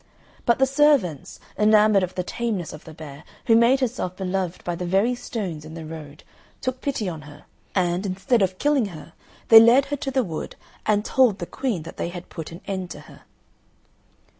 But the servants, enamoured of the tameness of the bear, who made herself beloved by the very stones in the road, took pity on her, and, instead of killing her, they led her to the wood, and told the queen that they had put an end to her.